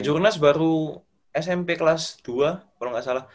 jurnas baru smp kelas dua kalau nggak salah